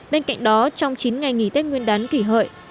bên cạnh đó trong chín ngày nghỉ tết nguyên đán kỷ hợi